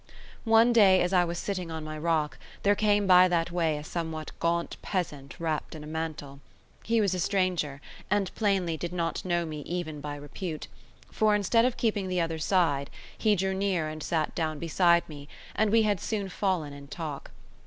One day, as I was sitting on my rock, there came by that way a somewhat gaunt peasant wrapped in a mantle. He was a stranger, and plainly did not know me even by repute; for, instead of keeping the other side, he drew near and sat down beside me, and we had soon fallen in talk.